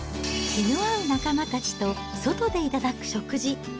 気の合う仲間たちと外で頂く食事。